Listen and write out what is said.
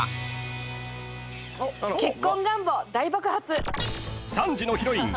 結婚願望大爆発。